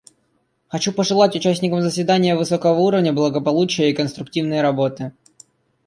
Хочу пожелать участникам заседания высокого уровня благополучия и конструктивной работы.